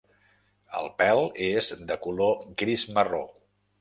El pèl és de color gris-marró.